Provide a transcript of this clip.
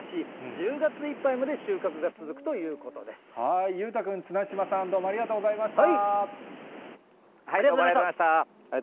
１０月いっぱいまで収穫が続くというこ裕太君、綱嶋さん、どうもあありがとうございました。